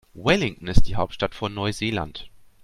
Wellington ist die Hauptstadt von Neuseeland.